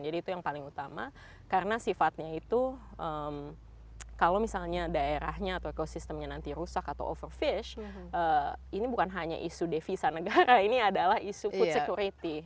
jadi itu yang paling utama karena sifatnya itu kalau misalnya daerahnya atau ekosistemnya nanti rusak atau over fish ini bukan hanya isu devisa negara ini adalah isu food security